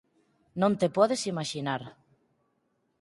non te podes imaxinar.